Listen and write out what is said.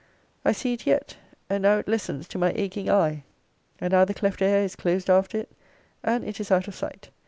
I see it yet! And now it lessens to my aching eye! And now the cleft air is closed after it, and it is out of sight!